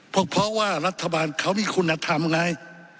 เพราะว่ารัฐบาลเขามีคุณธรรมไง